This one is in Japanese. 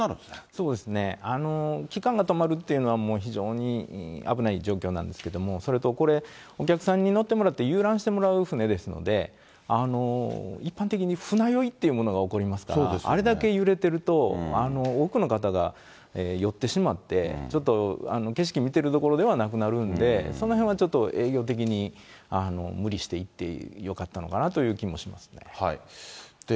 そうですね、機関が止まるっていうのは、もう非常に危ない状況なんですけども、それとこれ、お客さんに乗ってもらって遊覧してもらう船ですので、一般的に船酔いっていうものが起こりますから、あれだけ揺れてると、多くの方が酔ってしまって、ちょっと景色見てるどころではなくなるんで、そのへんはちょっと営業的に、無理して行ってよかったのかなという気もしますね。